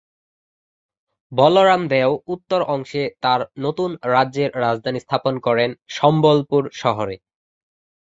বলরাম দেও উত্তর অংশে তার নতুন রাজ্যের রাজধানী স্থাপন করেন সম্বলপুর শহরে।